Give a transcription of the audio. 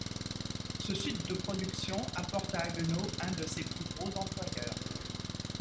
Ce site de production apporte à Haguenau un de ses plus gros employeurs.